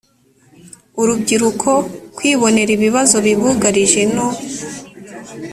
urubyiruko kwibonera ibibazo bibugarije no